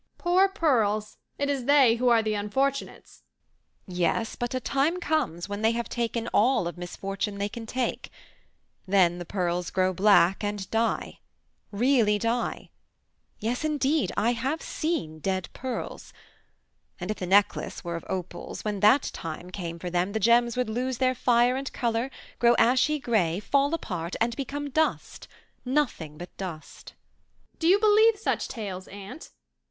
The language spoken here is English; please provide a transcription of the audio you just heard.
"Poor pearls! It is they who are the unfortunates." "Yes, but a time comes when they have taken all of misfortune they can take; then the pearls grow black and die, really die. Yes, indeed! I have seen dead pearls. And if the necklace were of opals, when that time came for them the gems would lose their fire and colour, grow ashy grey, fall apart and become dust, nothing but dust." "Do you believe such tales, aunt?